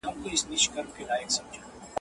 «چکلې» شتون لري چي واګي يې